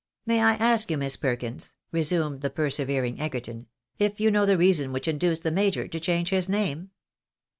" May I ask you, Miss Perldns," resumed the persevering AN IIONOUEABLE METONYMY. 175 Egerton, "if you know the reason which induced the major to change his name?